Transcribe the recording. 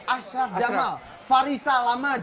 ashraf jamal farisa lamaj